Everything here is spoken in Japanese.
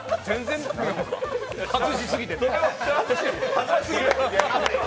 外しすぎてて。